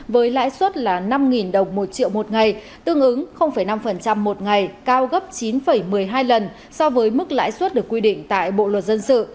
với lãi suất là năm đồng một triệu một ngày tương ứng năm một ngày cao gấp chín một mươi hai lần so với mức lãi suất được quy định tại bộ luật dân sự